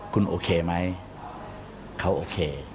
คุณโอเคไหมเขาโอเค